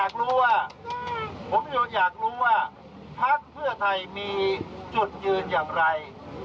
ผมอยากรู้ว่าพักเพื่อไทยมีจุดยืนอย่างไร